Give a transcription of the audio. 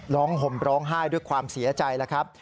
ห่มร้องไห้ด้วยความเสียใจแล้วครับ